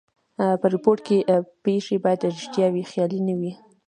په ریپورټ کښي پېښي باید ریښتیا وي؛ خیالي نه وي.